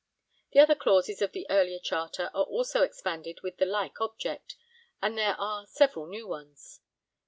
The other clauses of the earlier charter are also expanded with the like object, and there are several new ones.